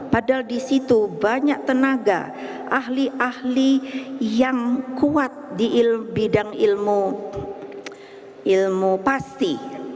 padahal di situ banyak tenaga ahli ahli yang kuat di bidang ilmu pasti